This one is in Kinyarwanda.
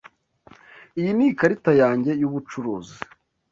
Iyi ni ikarita yanjye y'ubucuruzi.